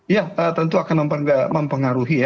ya tentu akan mempengaruhi ya